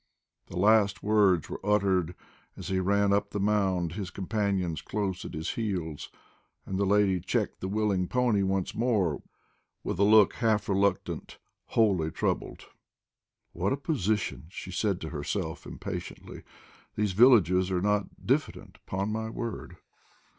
The last words were uttered as he ran up the mound, his companions close at his heels. And the lady checked the willing pony once more with a look half reluctant, wholly troubled. "What a position," she said to herself, impatiently. "These villagers are not diffident, upon my word."